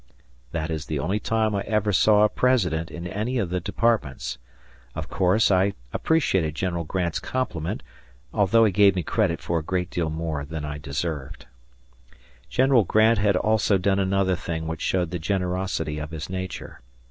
That is the only time I ever saw a President in any of the departments. Of course, I appreciated General Grant's compliment, although he gave me credit for a great deal more than I deserved. General Grant had also done another thing which showed the generosity of his nature.